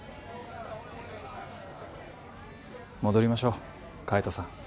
戻りましょう海斗さん